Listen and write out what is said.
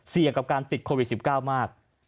กับการติดโควิด๑๙มาก